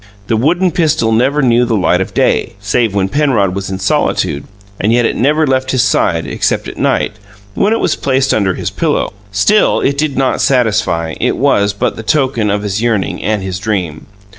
The wooden pistol never knew the light of day, save when Penrod was in solitude; and yet it never left his side except at night, when it was placed under his pillow. Still, it did not satisfy; it was but the token of his yearning and his dream.